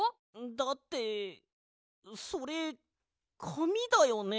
だってそれかみだよね？